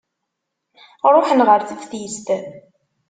Ṛuḥen ɣer teftist.